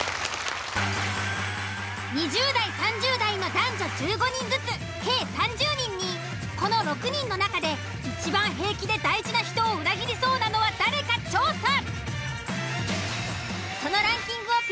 ２０代３０代の男女１５人ずつ計３０人にこの６人の中でいちばん平気で大事な人を裏切りそうなのは誰か調査。